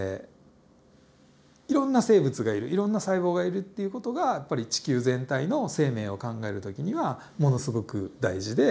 いろんな生物がいるいろんな細胞がいるっていう事がやっぱり地球全体の生命を考える時にはものすごく大事で。